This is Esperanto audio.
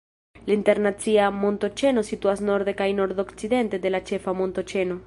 La Interna montoĉeno situas norde kaj nord-okcidente de la Ĉefa montoĉeno.